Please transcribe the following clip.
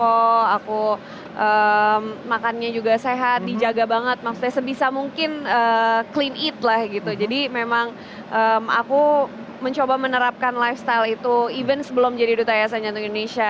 oke kalau begitu kita akan nanti ngobrol lebih lanjut lagi